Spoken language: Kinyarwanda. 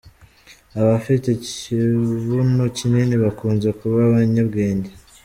Abafite ikibuno kinini bakunze kuba abanyabwenge.